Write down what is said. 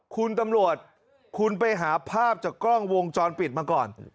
คุณตำรวจคุณไปหาภาพจากกล้องวงจรปิดมาก่อน